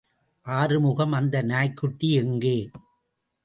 ஆறுமுகம் அந்த நாய்க்குட்டி எங்கே?